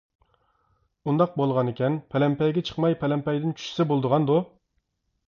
ئۇنداق بولغانىكەن پەلەمپەيگە چىقماي پەلەمپەيدىن چۈشسە بولىدىغاندۇ.